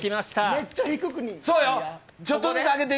めっちゃ低くいってや。